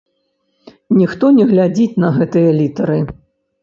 Ніхто не глядзіць на гэтыя літары!